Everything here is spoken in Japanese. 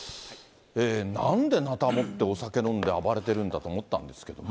なんでなた持ってお酒飲んで暴れてるんだと思ったんですけれども。